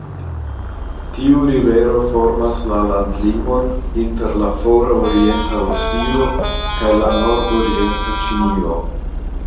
Tiu rivero formas la landlimon inter la fora orienta Rusio kaj la nordorienta Ĉinio.